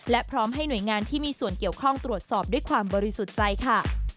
และพร้อมให้หน่วยงานที่มีส่วนเกี่ยวข้องตรวจสอบด้วยความบริสุทธิ์ใจค่ะ